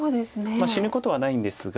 死ぬことはないんですが。